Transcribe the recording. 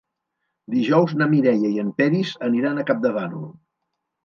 Dijous na Mireia i en Peris aniran a Campdevànol.